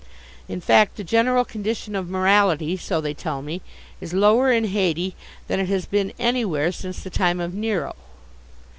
In fact, the general condition of morality, so they tell me, is lower in Hayti than it has been anywhere since the time of Nero.